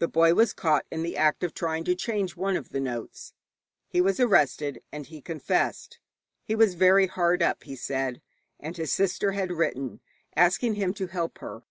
The boy was caught in the act of trying to change one of the notes. He was arrested, and he confessed. He was very hard up, he said, and his sister had written asking him to help her.